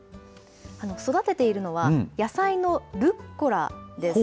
育てているのは野菜のルッコラです。